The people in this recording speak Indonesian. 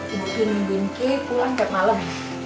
ibu pun nungguin ke pulang tiap malam